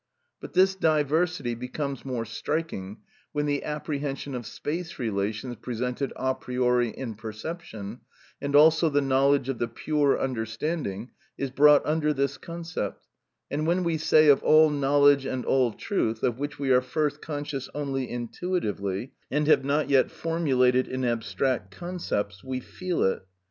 But this diversity becomes more striking when the apprehension of space relations presented a priori in perception, and also the knowledge of the pure understanding is brought under this concept, and when we say of all knowledge and all truth, of which we are first conscious only intuitively, and have not yet formulated in abstract concepts, we feel it.